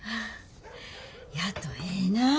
やとええなぁ。